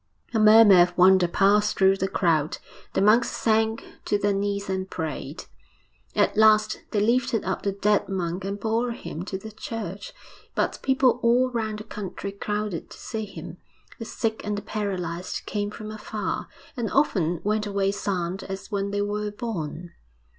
A murmur of wonder passed through the crowd. The monks sank to their knees and prayed. At last they lifted up the dead monk and bore him to the church. But people all round the country crowded to see him; the sick and the paralysed came from afar, and often went away sound as when they were born.